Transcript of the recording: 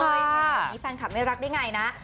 ค่ะตอนนี้แฟนคับไม่รักได้ไงนะ